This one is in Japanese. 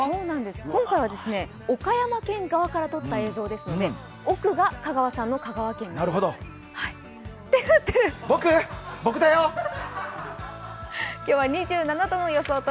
今回は岡山県側から撮った映像ですので奥が香川さんの香川県になると。